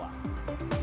jalan raya pols